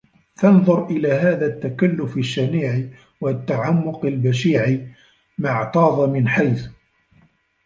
فَانْظُرْ إلَى هَذَا التَّكَلُّفِ الشَّنِيعِ ، وَالتَّعَمُّقِ الْبَشِيعِ ، مَا اعْتَاضَ مِنْ حَيْثُ